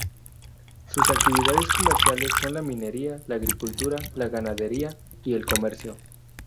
Sus actividades comerciales son la Minería, la Agricultura, la Ganadería, y el Comercio.